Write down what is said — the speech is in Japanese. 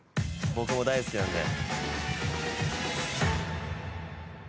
僕も大好きなんで。